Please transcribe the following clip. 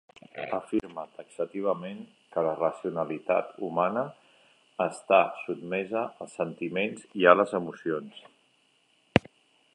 Afirme taxativament que la racionalitat humana està sotmesa als sentiments i a les emocions.